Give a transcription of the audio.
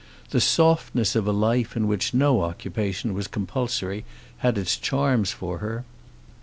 The softness of a life in which no occupation was compulsory had its charms for her.